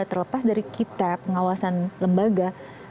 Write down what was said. terlepas dari kita pengawasan lembaga